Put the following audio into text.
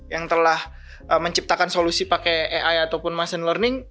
yang telah menciptakan solusi pakai ai ataupun massion learning